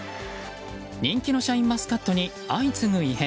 人気のシャインマスカットに相次ぐ異変。